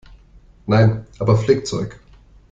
Nein, aber Flickzeug.